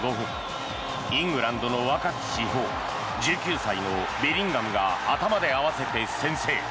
イングランドの若き至宝１９歳のベリンガムが頭で合わせて先制。